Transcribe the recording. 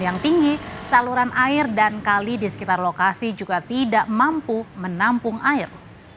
yang tinggi saluran air dan kali di sekitar lokasi juga tidak mampu menampung air